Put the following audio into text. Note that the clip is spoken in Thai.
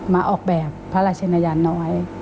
มาออกแบบพระราชินยาน้อย